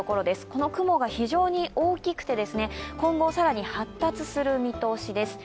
この雲が非常に大きくて、今後更に発達する見通しです。